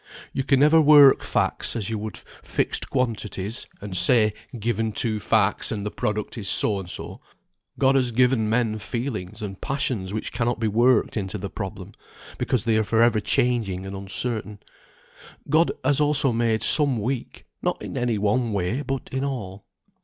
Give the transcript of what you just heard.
"You can never work facts as you would fixed quantities, and say, given two facts, and the product is so and so. God has given men feelings and passions which cannot be worked into the problem, because they are for ever changing and uncertain. God has also made some weak; not in any one way, but in all.